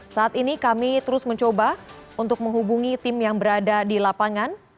saat ini kami terus mencoba untuk menghubungi tim yang berada di lapangan